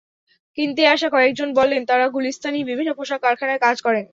কিনতে আসা কয়েকজন বললেন, তাঁরা গুলিস্তানেই বিভিন্ন পোশাক কারখানায় কাজ করেন।